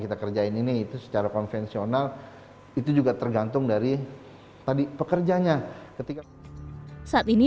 kita kerjain ini itu secara konvensional itu juga tergantung dari tadi pekerjanya ketika saat ini